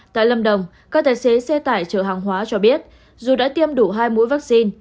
tại lâm đồng các tài xế xe tải chở hàng hóa cho biết dù đã tiêm đủ hai mũi vaccine